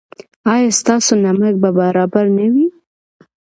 ایا ستاسو نمک به برابر نه وي؟